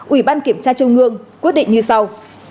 ủy ban kiểm tra châu ngương quyết định như sau